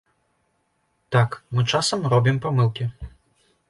Так, мы часам робім памылкі.